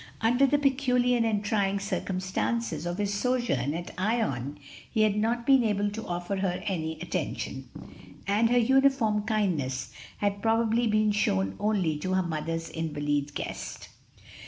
Under the peculiar and trying circumstances of his sojourn at Ion he had not been able to offer her any attention, and her uniform kindness had probably been shown only to her mother's invalid guest.